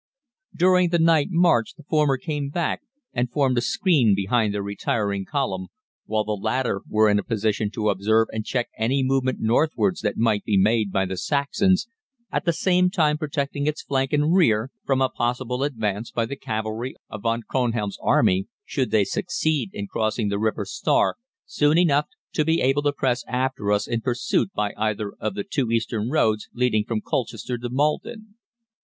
"During the night march the former came back and formed a screen behind the retiring column, while the latter were in a position to observe and check any movement northwards that might be made by the Saxons, at the same time protecting its flank and rear from a possible advance by the cavalry of Von Kronhelm's Army, should they succeed in crossing the river Stour soon enough to be able to press after us in pursuit by either of the two eastern roads leading from Colchester to Maldon.